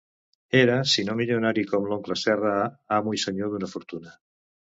Era, si no milionari com l'oncle Serra, amo i senyor d'una fortuna.